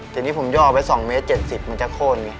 ทีนี้ผมย่อไป๒เมตร๗๐มันจะโค้นไง